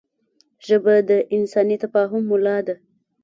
ژبه د انساني تفاهم ملا ده